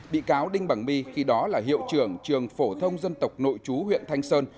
bị cáo đinh bằng my khi đó là hiệu trưởng trường phổ thông dân tộc nội chú huyện thanh sơn